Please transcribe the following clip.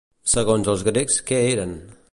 Segons els grecs, que eren?